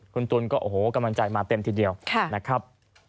คุณตุ๋นก็โอ้โหกำลังใจมาเต็มทีเดียวนะครับ